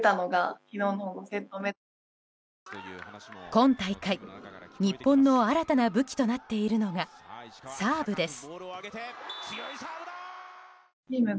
今大会、日本の新たな武器となっているのがサーブです。